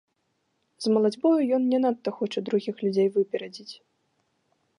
З малацьбою ён не надта хоча другіх людзей выперадзіць.